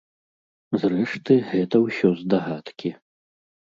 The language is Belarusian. Зрэшты, гэта ўсё здагадкі.